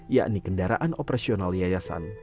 yakni kendaraan operasional yayasan